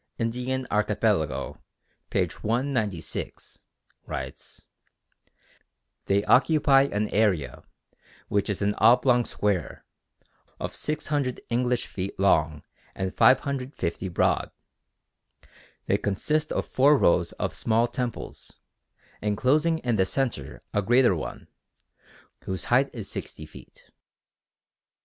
Indian Archipelago_, p. 196) writes: "They occupy an area, which is an oblong square, of 600 English feet long and 550 broad. They consist of four rows of small temples, enclosing in the centre a greater one, whose height is 60 feet.